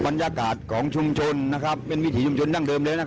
บรรยากาศของชุมชนนะคะเบนวิถีชุมชนนั่งเดิมเลยนะครับค่ะ